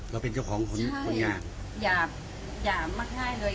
เราเป็นเจ้าของผลผลงานใช่อย่าอย่ามากได้เลย